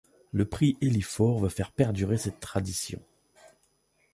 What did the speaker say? Le prix Élie-Faure veut faire perdurer cette tradition.